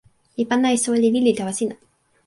mi pana e soweli lili tawa sina.